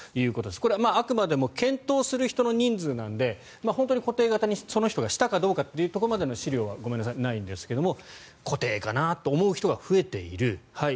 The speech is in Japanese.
これはあくまでも検討する人の人数なので本当に固定型に、その人がしたかというところまでの資料はごめんなさい、ないんですが固定かなと思う人が増えている。